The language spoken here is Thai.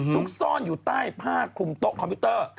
ซุกซ่อนอยู่ใต้ผ้าคลุมโต๊ะคอมพิวเตอร์